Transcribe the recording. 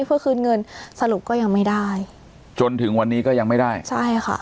เพื่อคืนเงินสรุปก็ยังไม่ได้จนถึงวันนี้ก็ยังไม่ได้ใช่ค่ะ